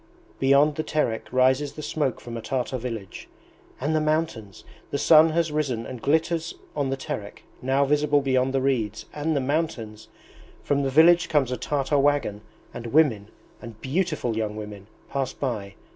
Beyond the Terek rises the smoke from a Tartar village... and the mountains! The sun has risen and glitters on the Terek, now visible beyond the reeds ... and the mountains! From the village comes a Tartar wagon, and women, beautiful young women, pass by...